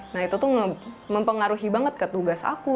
nah itu tuh mempengaruhi banget ke tugas aku